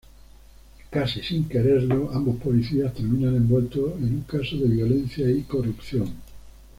Casi sin quererlo, ambos policías terminan envueltos en un caso de violencia y corrupción.